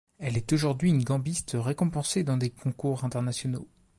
Elle est aujourd'hui une gambiste récompensée dans des concours internationaux.